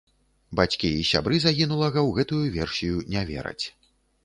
Бацькі і сябры загінулага ў гэтую версію не вераць.